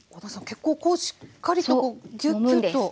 結構こうしっかりとギュッギュッと。